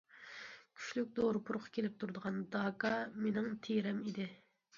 كۈچلۈك دورا پۇرىقى كېلىپ تۇرىدىغان داكا مېنىڭ تېرەم ئىدى.